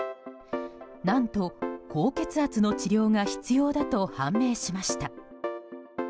何と、高血圧の治療が必要だと判明しました。